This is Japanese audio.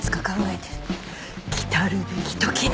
来たるべき時に。